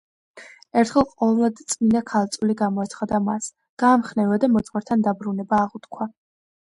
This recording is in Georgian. ერთხელ ყოვლადწმიდა ქალწული გამოეცხადა მას, გაამხნევა და მოძღვართან დაბრუნება აღუთქვა.